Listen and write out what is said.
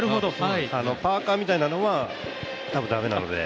パーカーみたいなのは多分駄目なので。